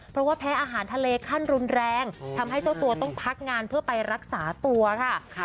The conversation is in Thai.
เพราะว่าแพ้อาหารทะเลขั้นรุนแรงทำให้เจ้าตัวต้องพักงานเพื่อไปรักษาตัวค่ะ